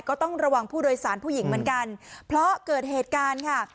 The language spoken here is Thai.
ก็ต้องระวังผู้โดยสารผู้หญิงเหมือนกันเพราะเกิดเหตุการณ์ค่ะ